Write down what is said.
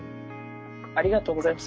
ありがとうございます。